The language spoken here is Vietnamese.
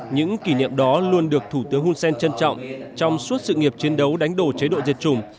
những kỷ niệm đó luôn được thủ tướng hun sen trân trọng trong suốt sự nghiệp chiến đấu đánh đổ chế độ diệt chủng